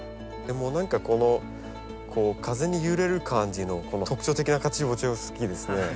でも何かこの風に揺れる感じの特徴的な形も好きですね